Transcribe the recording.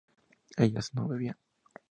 ¿ellas no bebían?